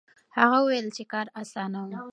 هغه وویل چې کار اسانه و.